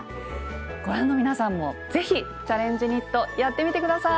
ご覧の皆さんも是非「チャレンジニット」やってみて下さい。